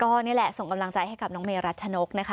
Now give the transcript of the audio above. ก็นี่แหละส่งกำลังใจให้กับน้องเมรัชนกนะคะ